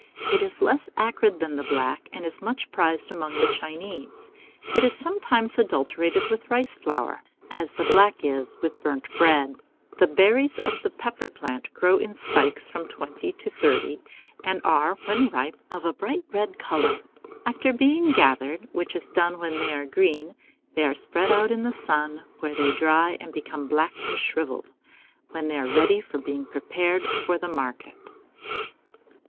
It is less acrid than the black, and is much prized among the Chinese. It is sometimes adulterated with rice flour, as the black is with burnt bread. The berries of the pepper plant grow in spikes of from twenty to thirty, and are, when ripe, of a bright red colour. After being gathered, which is done when they are green, they are spread out in the sun, where they dry and become black and shrivelled, when they are ready for being prepared for the market.